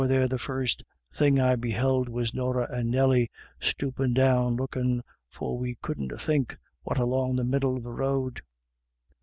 269 there the first thing I beheld was Norah and Nelly stoopin' down lookin' for we couldn't think what along the middle of the road.